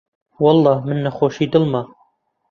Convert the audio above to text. وەڵڵا من نەخۆشیی دڵمە